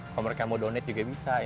kalau mereka mau downet juga bisa